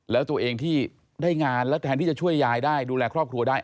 แล้วตัวเองที่ได้งานแล้วแทนที่จะช่วยยายได้ดูแลครอบครัวได้